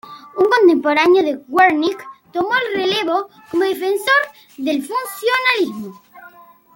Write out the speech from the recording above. Un contemporáneo de Wernicke tomó el relevo como defensor del funcionalismo.